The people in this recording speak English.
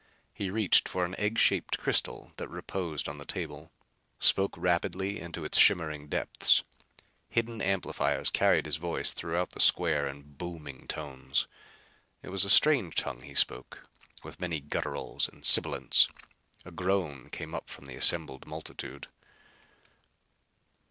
He reached for an egg shaped crystal that reposed on the table; spoke rapidly into its shimmering depths. Hidden amplifiers carried his voice throughout the square in booming tones. It was a strange tongue he spoke, with many gutturals and sibilants. A groan came up from the assembled multitude.